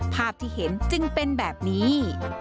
ภาพที่เห็นจึงเป็นแบบนี้